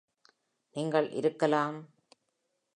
நீங்கள் இருக்கலாம்.